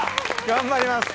頑張ります。